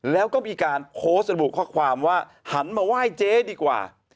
แล้วก็มีการโพสต์ระบุข้อความว่าหันมาไหว้เจ๊ดีกว่า